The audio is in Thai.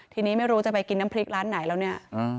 ทีนี้ไม่รู้จะไปกินน้ำพริกร้านไหนแล้วเนี่ย